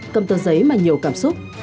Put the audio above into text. cầm tờ giấy mà nhiều cảm xúc